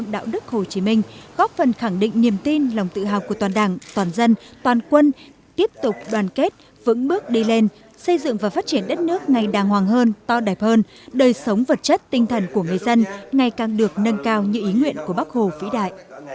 đạo đức hồ chí minh góp phần khẳng định niềm tin lòng tự hào của toàn đảng toàn dân toàn quân tiếp tục đoàn kết vững bước đi lên xây dựng và phát triển đất nước ngày đàng hoàng hơn to đẹp hơn đời sống vật chất tinh thần của người dân ngày càng được nâng cao như ý nguyện của bắc hồ vĩ đại